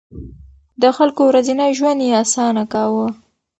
د خلکو ورځنی ژوند يې اسانه کاوه.